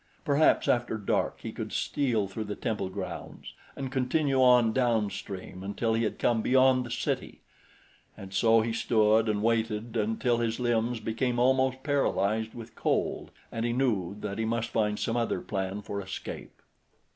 Perhaps after dark he could steal through the temple grounds and continue on downstream until he had come beyond the city; and so he stood and waited until his limbs became almost paralyzed with cold, and he knew that he must find some other plan for escape.